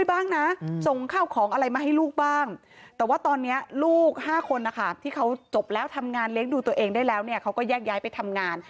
พา๑๒๐๐นาทีแย้งไปทำงาน